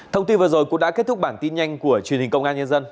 thông tin vừa rồi cũng đã kết thúc bản tin nhanh của truyền hình công an nhân dân